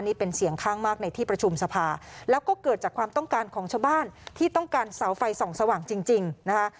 นี่เป็นเสียงข้างมากในที่ประชุมสภาแล้วก็เกิดจากความต้องการของชาวบ้านที่ต้องการเสาไฟส่องสว่างจริงนะคะ